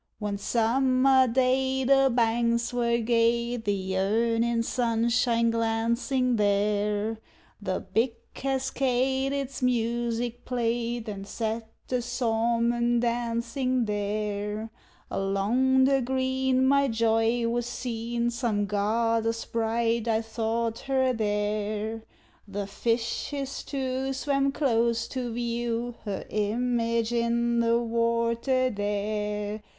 One summer day the banks were gay, The Erne in sunshine glancin' there, The big cascade its music play'd And set the salmon dancin' there. Along the green my Joy was seen; Some goddess bright I thought her there; The fishes, too, swam close, to view Her image in the water there.